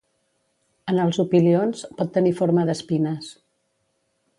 En els opilions, pot tenir forma d'espines.